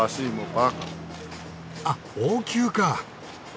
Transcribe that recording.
あっ王宮かぁ。